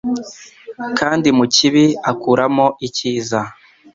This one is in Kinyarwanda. kandi mu kibi akuramo icyiza.